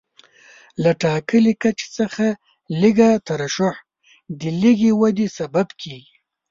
له ټاکلي کچې څخه لږه ترشح د لږې ودې سبب کېږي.